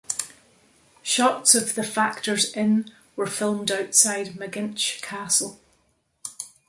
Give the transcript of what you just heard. Shots of "The Factor's Inn" were filmed outside Megginch Castle.